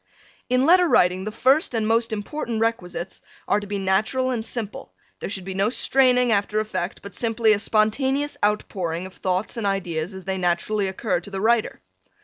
In letter writing the first and most important requisites are to be natural and simple; there should be no straining after effect, but simply a spontaneous out pouring of thoughts and ideas as they naturally occur to the writer.